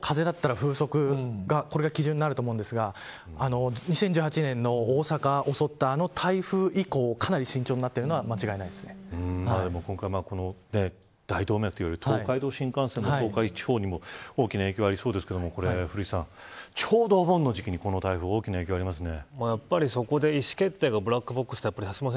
確かにおそらく雨量と風だったら風速が基準になると思うんですが２０１８年の大阪を襲ったあの台風以降かなり慎重になってるのは今回、大動脈といわれる東海道新幹線も東海地方にも大きな影響がありそうですが古市さん、ちょうどお盆の時期にこの台風大きな影響がありますね。